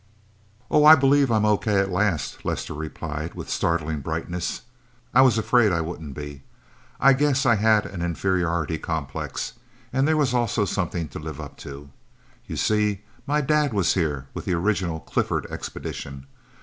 "Oh, I believe I'm okay at last," Lester replied with startling brightness. "I was afraid I wouldn't be. I guess I had an inferiority complex, and there was also something to live up to. You see, my dad was here with the original Clifford expedition.